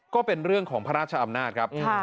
ก็เป็นเรื่องของพระราชอำนาจครับ